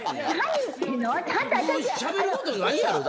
しゃべることないやろ。